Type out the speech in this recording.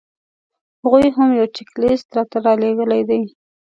هغوی هم یو چیک لیست راته رالېږلی دی.